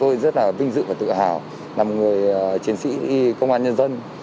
tôi rất là vinh dự và tự hào là một người chiến sĩ công an nhân dân